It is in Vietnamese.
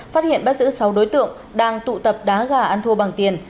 phát hiện bắt giữ sáu đối tượng đang tụ tập đá gà ăn thua bằng tiền